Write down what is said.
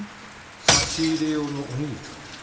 差し入れ用のお握り作ってる。